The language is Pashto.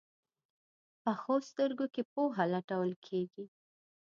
پخو سترګو کې پوهه لټول کېږي